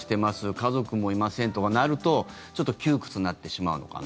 家族もいませんとかなるとちょっと窮屈になってしまうのかな。